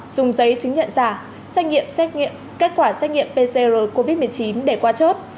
dùng giấy chứng nhận giả xét nghiệm xét nghiệm kết quả xét nghiệm pcr covid một mươi chín để qua chốt